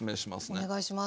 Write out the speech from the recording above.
お願いします。